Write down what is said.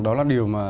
đó là điều mà